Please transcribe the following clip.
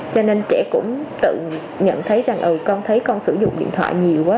cho nên trẻ cũng tự nhận thấy rằng con thấy con sử dụng điện thoại nhiều quá